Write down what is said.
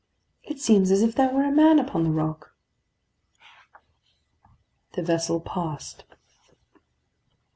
It seems as if there were a man upon the rock." The vessel passed.